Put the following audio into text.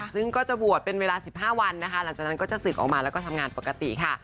ซึ่งก็จะบวชเป็นเวลา๑๕วันนะคะหลังจากนั้นก็จะศึกออกมาแล้วก็ทำงานปกติค่ะ